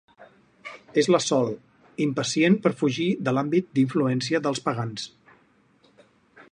És la Sol, impacient per fugir de l'àmbit d'influència del Pagans.